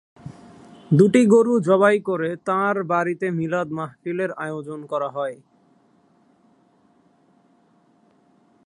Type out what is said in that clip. দুটি গরু জবাই করে তাঁর বাড়িতে মিলাদ মাহফিলের আয়োজন করা হয়।